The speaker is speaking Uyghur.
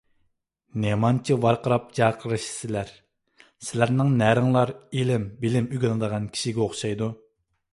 نېمانچە ۋارقىراپ - جارقىرىشىسىلەر! سىلەرنىڭ نەرىڭلار ئىلىم - بىلىم ئۆگىنىدىغان كىشىگە ئوخشايدۇ؟!